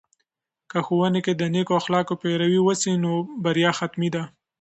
که ښوونې کې د نیکو اخلاقو پیروي وسي، نو بریا حتمي ده.